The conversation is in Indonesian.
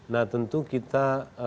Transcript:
nah tentu kita